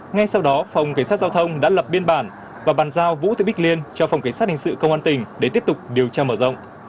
ngay sau đó phòng cảnh sát giao thông đã lập biên bản và bàn giao vũ thị bích liên cho phòng cảnh sát hình sự công an tỉnh để tiếp tục điều tra mở rộng